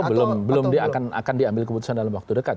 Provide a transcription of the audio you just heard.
belum dia akan diambil keputusan dalam waktu dekat